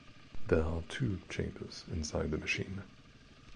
There are two chambers inside the machine.